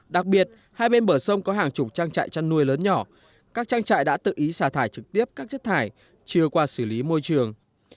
đặc biệt hai bên bờ sông có hàng chục trang trại chăn nuôi lớn nhỏ các trang trại đã tự ý xả thải trực tiếp các chất thải chưa qua xử lý môi trường